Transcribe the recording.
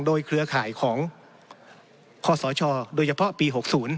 โดยเครือข่ายของคศโดยเฉพาะปี๖๐